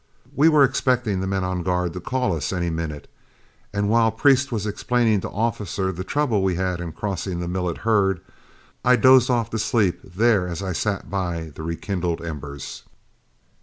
We were expecting the men on guard to call us any minute, and while Priest was explaining to Officer the trouble we had had in crossing the Millet herd, I dozed off to sleep there as I sat by the rekindled embers.